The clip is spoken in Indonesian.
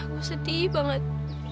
gue sedih banget